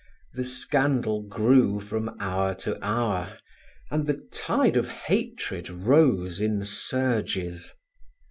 The scandal grew from hour to hour, and the tide of hatred rose in surges.